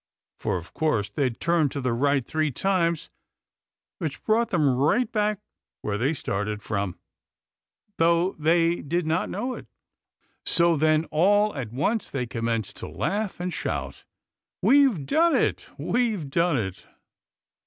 for of course they'd turned to the right three times, which brought them right back where they started from, though they did not know it. So then all at once they commenced to laugh and shout: "We've done it! We've done it!